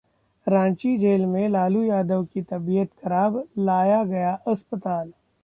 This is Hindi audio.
रांची: जेल में लालू यादव की तबीयत खराब, लाया गया अस्पताल